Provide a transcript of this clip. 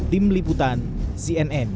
tim liputan cnn